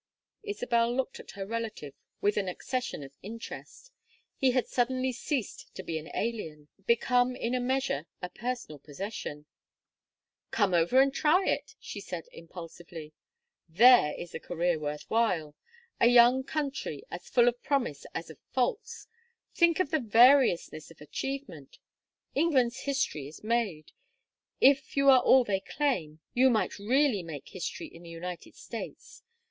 Isabel looked at her relative with an accession of interest; he had suddenly ceased to be an alien, become in a measure a personal possession. "Come over and try it," she said, impulsively. "There is a career worth while! A young country as full of promise as of faults! Think of the variousness of achievement! England's history is made. If you are all they claim, you might really make history in the United States.